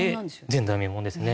前代未聞ですね。